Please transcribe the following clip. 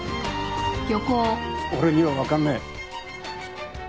俺には分かんねえ。